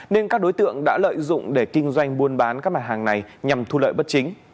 nên các đối tượng đã lợi dụng để kinh doanh buôn bán các mặt hàng này nhằm thu lợi bất chính